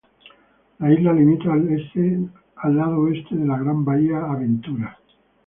La isla limita el lado oeste de la gran bahía Adventure.